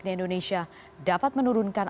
di indonesia dapat menurunkan